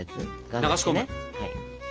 流し込む？